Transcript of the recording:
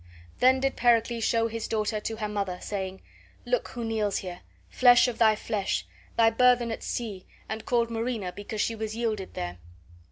Then did Pericles show his daughter to her mother, saying, "Look who kneels here, flesh of thy flesh, thy burthen at sea, and called Marina because she was yielded there."